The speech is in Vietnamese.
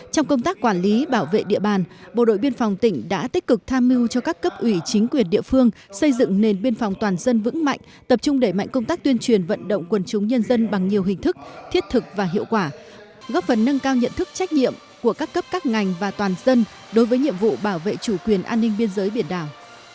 trong công tác quản lý bảo vệ địa bàn bộ đội biên phòng tỉnh đã tích cực tham mưu cho các cấp ủy chính quyền địa phương xây dựng nền biên phòng toàn dân vững mạnh tập trung đẩy mạnh công tác tuyên truyền vận động quần chúng nhân dân bằng nhiều hình thức thiết thực và hiệu quả góp phần nâng cao nhận thức trách nhiệm của các cấp các ngành và toàn dân đối với nhiệm vụ bảo vệ chủ quyền an ninh biên giới biển đảo